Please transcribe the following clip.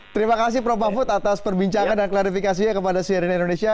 terima kasih prof mahfud atas perbincangan dan klarifikasinya kepada cnn indonesia